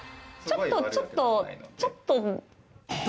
ちょっとちょっと。